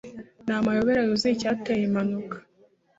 ni amayobera yuzuye icyateye impanuka